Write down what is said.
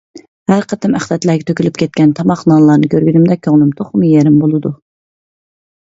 ھەر قېتىم ئەخلەتلەرگە تۆكۈلۈپ كەتكەن تاماق، نانلارنى كۆرگىنىمدە كۆڭلۈم تولىمۇ يېرىم بولىدۇ.